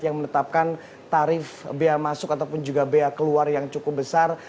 yang menetapkan tarif bea masuk ataupun juga bea keluar yang cukup besar